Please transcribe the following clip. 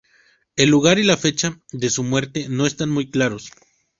El lugar y la fecha de su muerte no están muy claros.